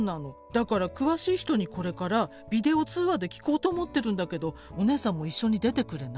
だから詳しい人にこれからビデオ通話で聞こうと思ってるんだけどお姉さんも一緒に出てくれない？